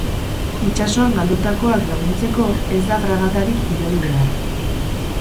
Itsasoan galdutakoak laguntzeko ez da fragatarik bidali behar.